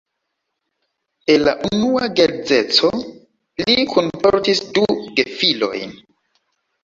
El la unua geedzeco li kunportis du gefilojn.